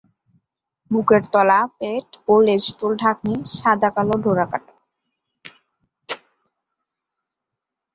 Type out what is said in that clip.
বুকের তলা, পেট ও লেজতল-ঢাকনি সাদাকালো ডোরাকাটা।